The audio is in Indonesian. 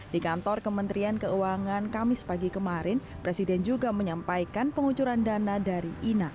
di kantor kementerian keuangan kamis pagi kemarin presiden juga menyampaikan pengucuran dana dari ina